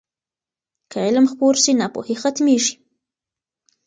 که علم خپور سي، ناپوهي ختمېږي.